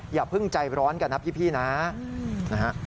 อย่าเพิ่งใจร้อนกันนะพี่นะนะฮะ